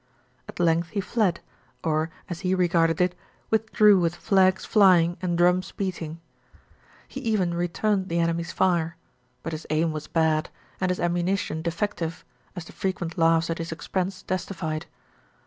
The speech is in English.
At length he fled, or, as he regarded it, withdrew with flags flying and drums beating. He even returned 310 THE RETURN OF ALFRED the enemy's fire; but his aim was bad, and his ammu nition defective, as the frequent laughs at his expense testified.